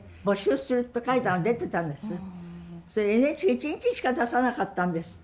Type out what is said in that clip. それＮＨＫ一日しか出さなかったんですって。